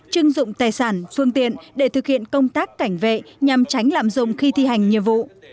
chưng dụng tài sản phương tiện để thực hiện công tác cảnh vệ nhằm tránh lạm dụng khi thi hành nhiệm vụ